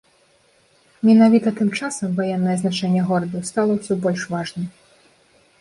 Менавіта тым часам ваеннае значэнне горада стала ўсё больш важным.